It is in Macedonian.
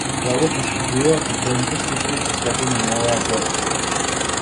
Тоа го потврдуваат и бројните стихови посветени на оваа болест.